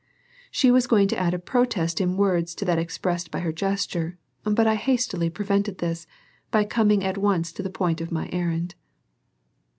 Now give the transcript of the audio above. She was going to add a protest in words to that expressed by her gesture, but I hastily prevented this by coming at once to the point of my errand.